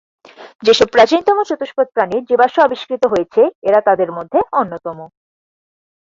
যেসব প্রাচীনতম চতুষ্পদ প্রাণীর জীবাশ্ম আবিষ্কৃত হয়েছে, এরা তাদের মধ্যে অন্যতম।